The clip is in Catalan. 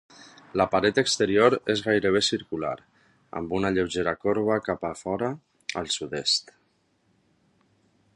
La paret exterior és gairebé circular, amb una lleugera corba cap a fora al sud-est.